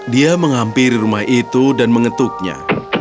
dia menghampiri rumah itu dan mengetuknya